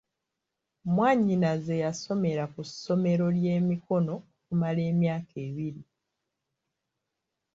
Mwannyinaze yasomera ku ssomero ly'emikono okumala emyaka ebiri.